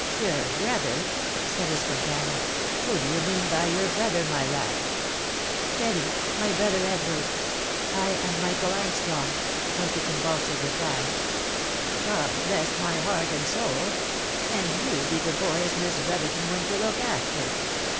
" Your brother ?" said his companion. " Who do you mean by your brother, my lad ?"" Teddy !— my brother Edward !— I am Michael Armstrong !" was the convulsive reply. " God bless my heart and soul ! And you be the boy as Miss Bro therton went to look after?